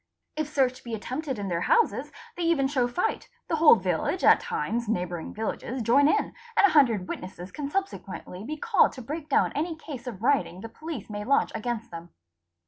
If search be attempted in their houses they even show fight, the whole village, at times neighbour ing villages, join in, and a hundred witnesses can subsequently be called 'to break down any case of rioting the police may launch against them.